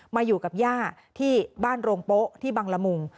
มาอยู่กับย่าที่บ้านโรงโป๊ะที่บังละมุง